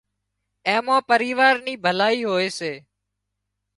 اين مان پريوار نِي ڀلائي هوئي سي